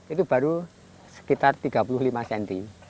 itu baru sekitar tiga puluh lima cm